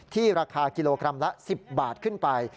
ราคากิโลกรัมละ๑๐บาทขึ้นไป